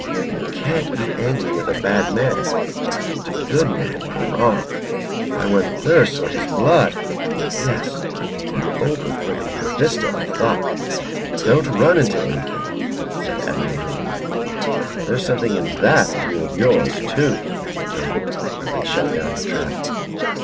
You can't be angry with bad men. But a good man in the wrong why one thirsts for his blood. Yes, you open for me a vista of thought." "Don't run into anything," said Evan, immovably. "There's something in that view of yours, too," said Turnbull, and shut down the trap.